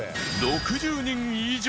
６０人以上！？